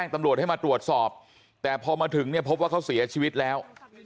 ตำรวจให้มาตรวจสอบแต่พอมาถึงเนี่ยพบว่าเขาเสียชีวิตแล้ว